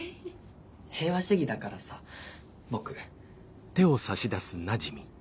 平和主義だからさボク。